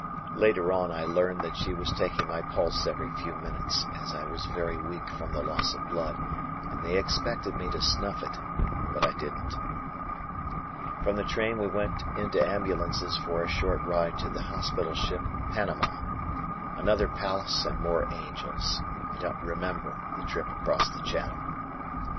Later on I learned that she was taking my pulse every few minutes, as I was very weak from the loss of blood and they expected me to snuff it, but I didn't. {Photo: Cards Used by Red Cross Nurses to Notify Families of Wounded.} From the train we went into ambulances for a short ride to the hospital ship Panama. Another palace and more angels. I don't remember the trip across the channel.